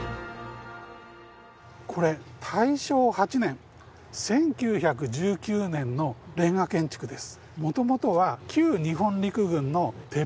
これ大正８年１９１９年のレンガ建築です。